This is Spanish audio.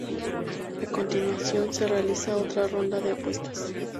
A continuación se realiza otra ronda de apuestas.